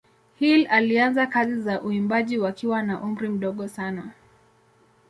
Hill alianza kazi za uimbaji wakiwa na umri mdogo sana.